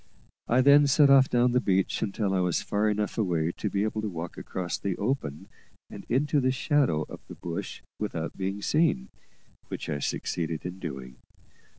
I then set off down the beach until I was far enough away to be able to walk across the open and into the shadow of the bush without being seen, which I succeeded in doing.